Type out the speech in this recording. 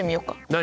何？